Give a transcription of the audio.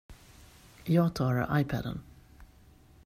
Jag tar iPaden.